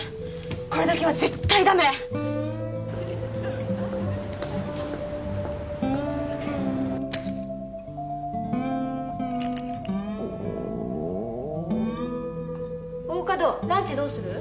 これだけは絶対ダメ大加戸ランチどうする？